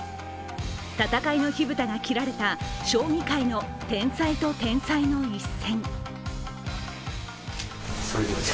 戦いの火蓋が切られた将棋界の天才と天才の一戦。